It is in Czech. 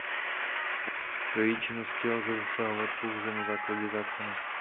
Do její činnosti lze zasahovat pouze na základě zákona.